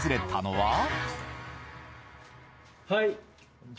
はい。